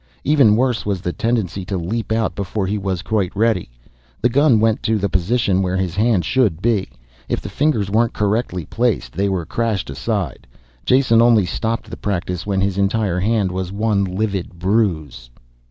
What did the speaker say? Even worse was the tendency to leap out before he was quite ready. The gun went to the position where his hand should be. If the fingers weren't correctly placed, they were crashed aside. Jason only stopped the practice when his entire hand was one livid bruise.